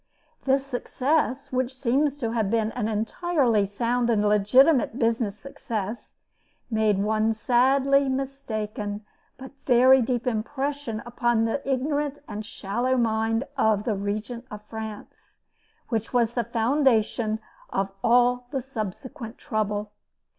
This success, which seems to have been an entirely sound and legitimate business success, made one sadly mistaken but very deep impression upon the ignorant and shallow mind of the Regent of France, which was the foundation of all the subsequent trouble.